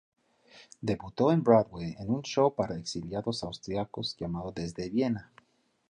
Debutó en Broadway en un show para exiliados austriacos llamado "Desde Viena".